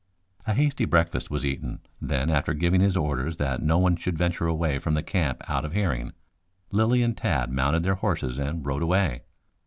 A hasty breakfast was eaten, then after giving his orders that no one should venture away from the camp out of hearing, Lilly and Tad mounted their horses and rode away.